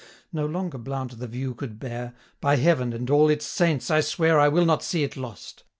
No longer Blount the view could bear: 'By Heaven, and all its saints! I swear 820 I will not see it lost!